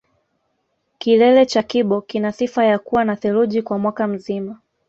kilele cha kibo kina sifa ya kuwa na theluji kwa mwaka mzima